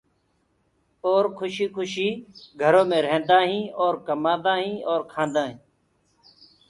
اور کُشيٚ کُشيٚ گھرو مي رهيندآ هينٚ اور ڪمآندا هينٚ اور کآندآ هينٚ۔